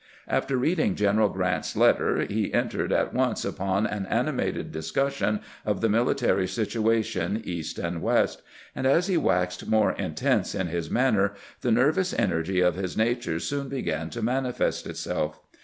After reading General Grant's letter, he entered at once upon an animated discussion of the military situ ation East and West, and as he waxed more intense in his manner the nervous energy of his nature soon began to manifest itself.